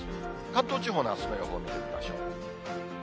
関東地方のあすの予報、見てみましょう。